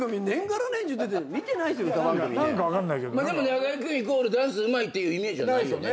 中居君イコールダンスうまいっていうイメージはないよね。